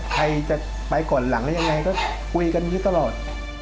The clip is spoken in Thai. ใครจะไปก่อนหลังหรือยังไงก็คุยกันอยู่ตลอด